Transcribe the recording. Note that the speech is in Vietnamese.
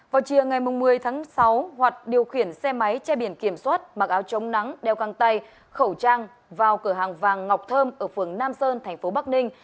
vào chiều ngày một mươi tháng sáu hoạt điều khiển xe máy che biển kiểm soát mặc áo chống nắng đeo găng tay khẩu trang vào cửa hàng vàng ngọc thơm ở phường nam sơn thành phố bắc ninh